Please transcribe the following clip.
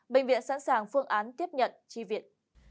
bệnh viện sẵn sàng phương án tiếp nhận chi viện